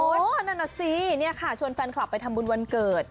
นั่นน่ะสิเนี่ยค่ะชวนแฟนคลับไปทำบุญวันเกิด